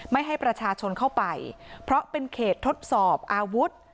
ไม่ให้ประชาชนเข้าไปเพราะเป็นเขตทดสอบอาวุธ